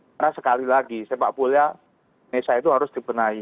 karena sekali lagi sepak bola indonesia itu harus dibenahi